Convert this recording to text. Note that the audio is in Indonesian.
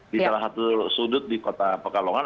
di salah satu sudut di kota pekalongan